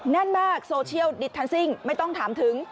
แน่นมากโซเชียลดิทันซิ่งไม่ต้องถามถึง